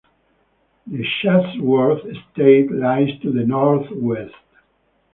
The Chatsworth Estate lies to the north west.